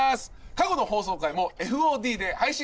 過去の放送回もＦＯＤで配信してます。